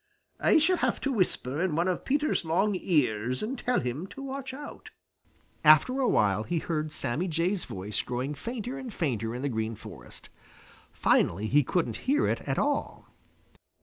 I shall have to whisper in one of Peter's long ears and tell him to watch out." After a while he heard Sammy Jay's voice growing fainter and fainter in the Green Forest. Finally he couldn't hear it at all.